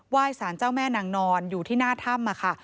สารเจ้าแม่นางนอนอยู่ที่หน้าถ้ำค่ะ